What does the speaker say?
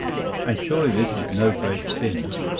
And surely this is no great sin.